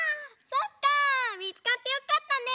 そっかみつかってよかったね！